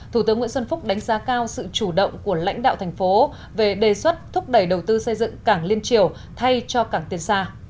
thủ tướng nguyễn xuân phúc đánh giá cao sự chủ động của lãnh đạo thành phố về đề xuất thúc đẩy đầu tư xây dựng cảng liên triều thay cho cảng tiên sa